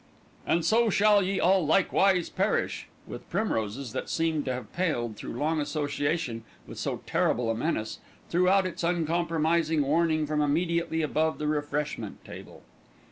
"And So Shall Ye All Likewise Perish," with primroses that seemed to have paled through long association with so terrible a menace, threw out its uncompromising warning from immediately above the refreshment table.